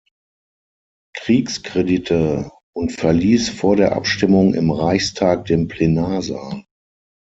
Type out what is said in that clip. Kriegskredite und verließ vor der Abstimmung im Reichstag den Plenarsaal.